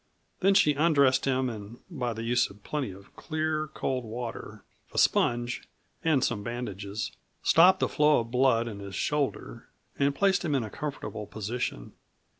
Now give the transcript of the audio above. Then she undressed him, and by the use of plenty of clear, cold water, a sponge, and some bandages, stopped the flow of blood in his shoulder and placed him in a comfortable position.